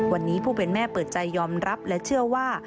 วันนี้ผู้เป็นแม่เปิดใจยอมรับและเชื่อว่า